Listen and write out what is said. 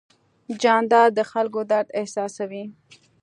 جانداد د خلکو درد احساسوي.